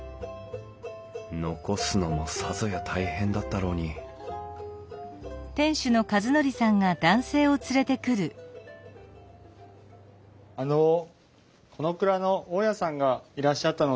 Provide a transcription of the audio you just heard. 残すのもさぞや大変だったろうにあのこの蔵の大家さんがいらっしゃったので。